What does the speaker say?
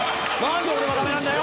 んで俺のダメなんだよ！